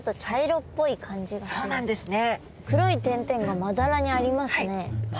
そうなんですね。